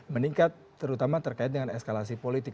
meningkat terutama terkait dengan eskalasi politik